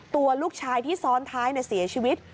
ตัวลูกชายที่ซ้อนท้ายเสียชีวิต